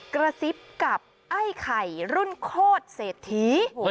กระซิบกับไอ้ไข่รุ่นโคตรเศรษฐี